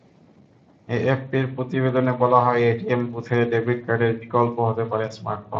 এএফপির প্রতিবেদনে বলা হয়, এটিএম বুথে ডেবিট কার্ডের বিকল্প হতে পারে স্মার্টফোন।